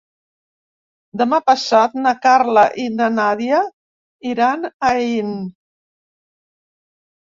Demà passat na Carla i na Nàdia iran a Aín.